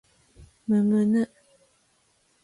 むむぬ